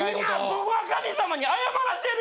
僕は神様に謝らせる！